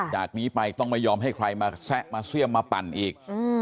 จากนี้ไปต้องไม่ยอมให้ใครมาแซะมาเสี่ยมมาปั่นอีก